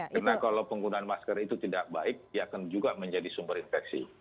karena kalau penggunaan masker itu tidak baik dia akan juga menjadi sumber infeksi